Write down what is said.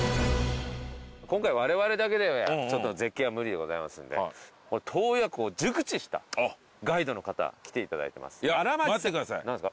今回われわれだけではちょっと絶景は無理でございますんでうんはいこの洞爺湖を熟知したあっガイドの方来ていただいてます荒町さん何ですか？